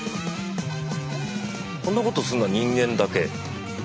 こんなことすんのは人間だけ？